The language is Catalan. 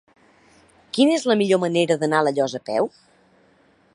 Quina és la millor manera d'anar a La Llosa a peu?